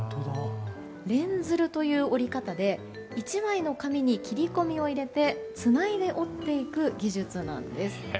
連鶴という折り方で１枚の紙に切り込みを入れてつないで折っていく技術なんです。